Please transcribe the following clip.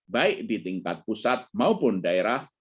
baik di tingkat pusat maupun daerah